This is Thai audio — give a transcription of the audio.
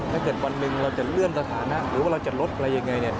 ถ้าเกิดวันหนึ่งเราจะเลื่อนสถานะหรือว่าเราจะลดอะไรยังไง